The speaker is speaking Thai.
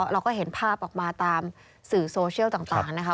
เราก็เห็นภาพออกมาตามสื่อโซเชียลต่างนะคะ